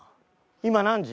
今何時？